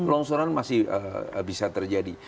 longsoran masih bisa terjadi